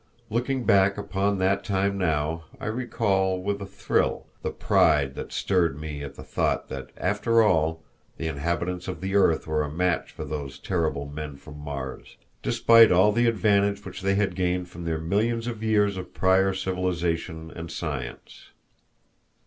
Looking back upon that time now, I recall, with a thrill, the pride that stirred me at the thought that, after all, the inhabitants of the Earth were a match for those terrible men from Mars, despite all the advantage which they had gained from their millions of years of prior civilization and science.